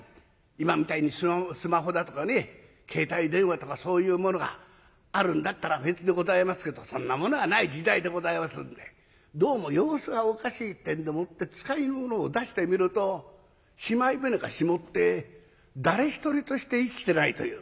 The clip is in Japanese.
今みたいにスマホだとかね携帯電話とかそういうものがあるんだったら別でございますけどそんなものはない時代でございますんでどうも様子がおかしいってんでもって使いの者を出してみるとしまい船が沈って誰一人として生きてないという。